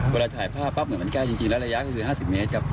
เวลาถ่ายภาพปั๊บเหมือนมันแก้จริงแล้วระยะก็คือ๕๐เมตรครับ